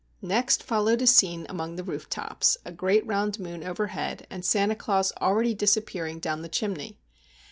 Next followed a scene among the roof tops; a great round moon overhead, and Santa Claus already disappearing down the chimney.